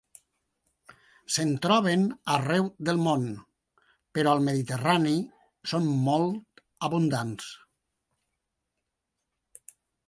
Se'n troben arreu del món, però al mediterrani són molt abundants.